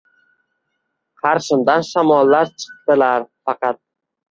Qarshimdan shamollar chiqdilar faqat.